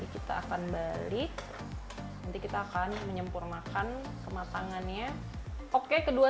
kita akan balik nanti kita akan menyempurnakan kematangannya oke kedua